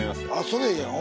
それええやん。